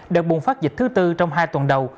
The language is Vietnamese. đợt bùng phát dịch thứ tư trong hai tuần đầu